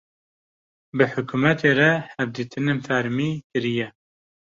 bi hukumetê re hevditînên fermî kiriye.